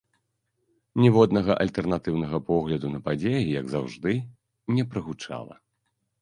Ніводнага альтэрнатыўнага погляду на падзеі, як заўжды, не прагучала.